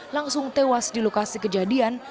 langsung tewas di lokasi kejadian